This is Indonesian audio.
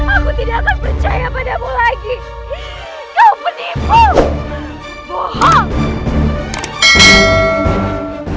aku tidak akan percaya padamu lagi kau menipu bohong